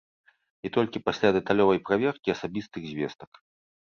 І толькі пасля дэталёвай праверкі асабістых звестак.